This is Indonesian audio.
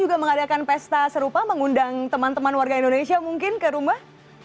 juga mengadakan pesta serupa mengundang teman teman warga indonesia mungkin ke rumah